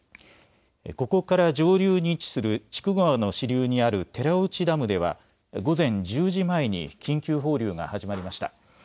ここから上流に位置する筑後川の支流にある寺内ダムでは午前１０時前に緊急放流が始まりました。